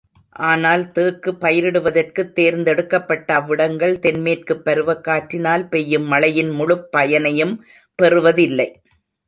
ஆனால், தேக்கு பயிரிடுவதற்குத் தேர்ந்தெடுக்கப்பட்ட அவ்விடங்கள், தென் மேற்குப் பருவக்காற்றினால் பெய்யும் மழையின் முழுப் பயனையும் பெறுவதில்லை.